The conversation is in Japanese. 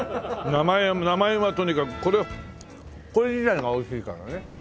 名前はとにかくこれこれ自体が美味しいからね。